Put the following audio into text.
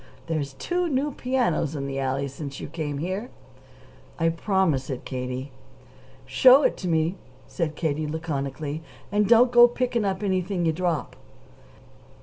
There's two new pianos in the alley since you came here." "I promise it, Katie." "Show it to me," said Katie laconically. "And don't go to picking up anything you drop!"